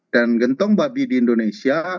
dan gentong babi di indonesia